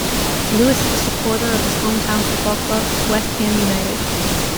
Lewis is a supporter of his home town football club, West Ham United.